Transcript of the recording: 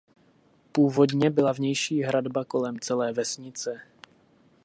Původně byla vnější hradba kolem celé vesnice.